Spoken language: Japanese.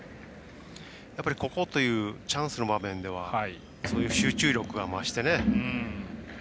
やっぱり、ここというチャンスの場面ではそういう集中力が増して。